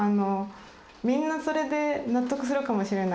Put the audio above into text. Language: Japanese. みんなそれで納得するかもしれない。